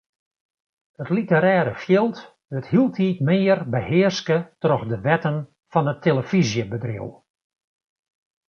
It literêre fjild wurdt hieltyd mear behearske troch de wetten fan it telefyzjebedriuw.